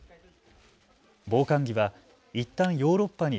防寒着はいったんヨーロッパに